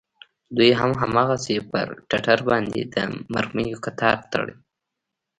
دوى هم هماغسې پر ټټر باندې د مرميو کتار تړي.